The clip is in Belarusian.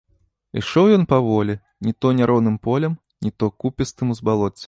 Ішоў ён паволі, ні то няроўным полем, ні то купістым узбалоццем.